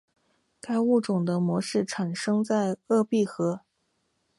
该物种的模式产地在鄂毕河。